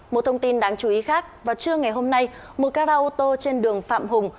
một thông tin đáng chú ý khác vào trưa ngày hôm nay một ca rao ô tô trên đường phạm hùng